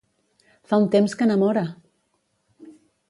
Fa un temps que enamora!